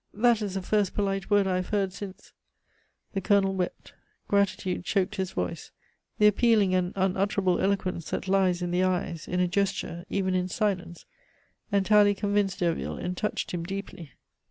"That is the first polite word I have heard since " The Colonel wept. Gratitude choked his voice. The appealing and unutterable eloquence that lies in the eyes, in a gesture, even in silence, entirely convinced Derville, and touched him deeply.